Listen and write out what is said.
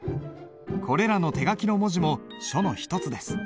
これらの手書きの文字も書の一つです。